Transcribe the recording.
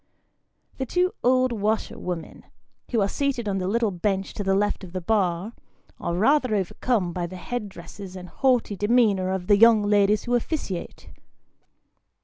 The two old washerwomen, who are seated on the little bench to the left of the bar, are rather overcome by the headdresses and haughty demeanour of the young ladies who officiate.